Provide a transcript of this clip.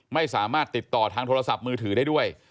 ไม่สามารถติดต่อทางโทรศัพท์มือถือได้ด้วย